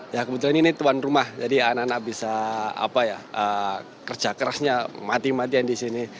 ya kebetulan ini tuan rumah jadi anak anak bisa kerja kerasnya mati matian di sini